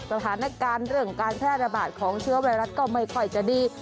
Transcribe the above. สถานการณ์เรื่องการแพร่ระบาดของเชื้อไวรัสก็ไม่ค่อยจะดี